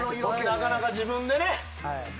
なかなか自分でね。